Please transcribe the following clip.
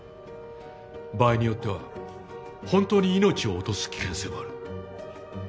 場合によっては本当に命を落とす危険性もある。